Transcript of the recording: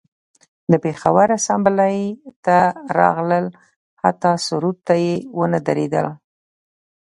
و د پیښور اسامبلۍ ته راغلل حتی سرود ته یې ونه دریدل